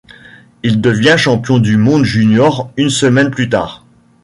Il devient champion du monde junior une semaine plus tard.